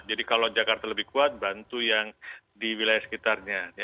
kalau jakarta lebih kuat bantu yang di wilayah sekitarnya